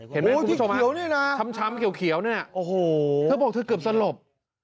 เห็นไหมครูผู้ชมมาช้ำเขียวนี่น่ะถ้าบอกเธอเกือบสลบ